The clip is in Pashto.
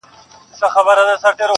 پکښي ډلي د لوټمارو گرځېدلې!.